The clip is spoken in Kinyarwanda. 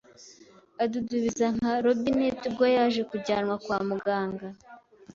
adudubiza nka robinet, ubwo yaje kujyanwa kwa muganga